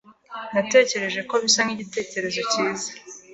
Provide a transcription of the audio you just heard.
Natekereje ko bisa nkigitekerezo cyiza.